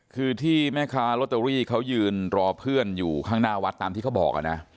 คือที่แม่ค้าลอตเตอรี่เขายืนรอเพื่อนอยู่ข้างหน้าวัดตามที่เขาบอกนะ